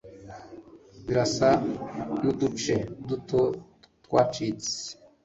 Birasa nuduce duto twacitse